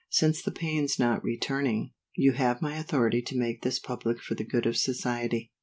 Since the pains not returning, you have my authority to make this public for the good of society.